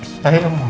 saya yang memaham